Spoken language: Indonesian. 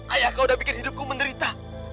ayah kau sudah membuat hidupku menderita